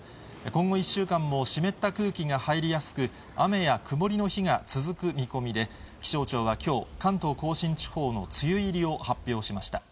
今後１週間も湿った空気が入りやすく、雨や曇りの日が続く見込みで、気象庁はきょう、関東甲信地方の梅雨入りを発表しました。